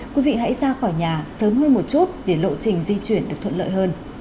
quý vị hãy ra khỏi nhà sớm hơn một chút để lộ trình di chuyển được thuận lợi hơn